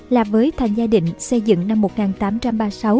là với thanh gia đình xây dựng năm một nghìn tám trăm ba mươi sáu